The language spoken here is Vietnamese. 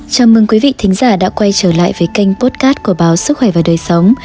chào mừng quý vị thí giả đã quay trở lại với kênh potcat của báo sức khỏe và đời sống